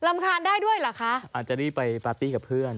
อาจจะรีบไปปาร์ตี้กับเพื่อน